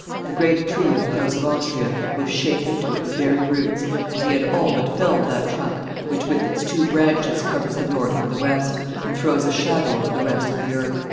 "The great tree of the house of Austria was shaken to its very roots, and he had all but felled that trunk which with its two branches covers the North and the West, and throws a shadow over the rest of the earth."